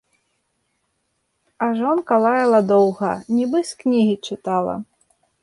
А жонка лаяла доўга, нібы з кнігі чытала.